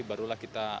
barulah kita mengamankan